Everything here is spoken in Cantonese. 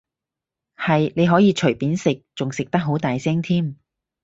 係，你可以隨便食，仲食得好大聲添